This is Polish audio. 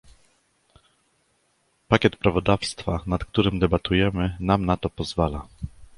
Pakiet prawodawstwa, nad którym debatujemy nam na to pozwala